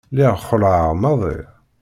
Lliɣ xelεeɣ maḍi.